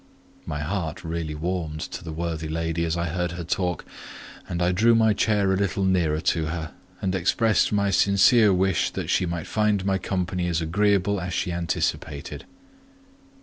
My heart really warmed to the worthy lady as I heard her talk; and I drew my chair a little nearer to her, and expressed my sincere wish that she might find my company as agreeable as she anticipated.